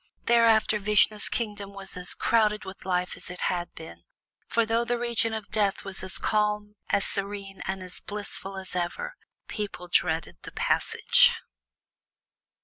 Thereafter Vishnu's kingdom was as crowded with life as it had been, for though the region of Death was as calm, as serene, and as blissful as ever, people dreaded the Passage.